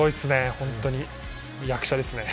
本当に役者ですね。